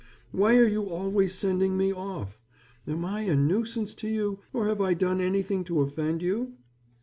Why are you always sending me off? Am I a nuisance to you, or have I done anything to offend you?"